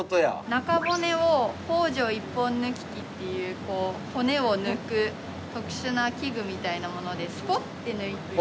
中骨を北条一本抜器っていう骨を抜く特殊な器具みたいなものでスポッて抜いて。